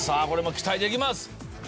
これも期待できます。